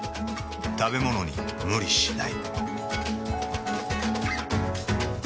食べものに無理しない。